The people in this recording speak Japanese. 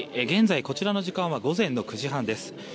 現在、こちらの時間は午前９時半です。